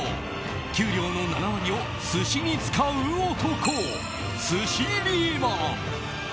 給料の７割を寿司に使う男寿司リーマン。